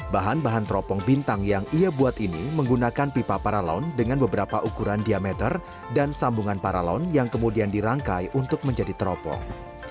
bahan bahan teropong bintang yang ia buat ini menggunakan pipa paralon dengan beberapa ukuran diameter dan sambungan paralon yang kemudian dirangkai untuk menjadi teropong